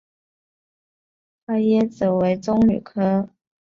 桃椰子为棕榈科桃果椰子属下的一个种。